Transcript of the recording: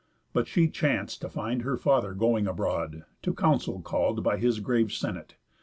But she chanc'd to find Her father going abroad, to council call'd By his grave Senate.